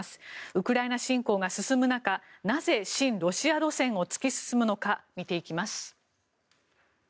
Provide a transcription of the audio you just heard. ウクライナ侵攻が進む中なぜ親ロシア路線を突き進むのか見ていきます。